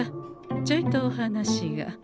ちょいとお話が。